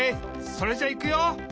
それじゃいくよ！